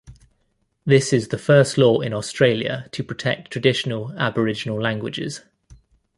This is the first law in Australia to protect traditional Aboriginal languages.